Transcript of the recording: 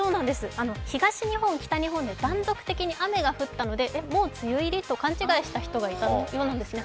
東日本、北日本で断続的に雨が降ったのでもう梅雨入りと勘違いした人がいたようなんですね。